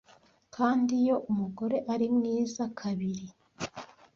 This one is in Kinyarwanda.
kandi iyo umugore ari mwiza kabiri